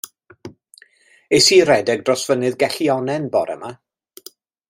Es i i redeg dros Fynydd Gellionnen bore 'ma.